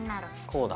こうだ。